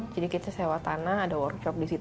jadi kita sewa tanah ada workshop di situ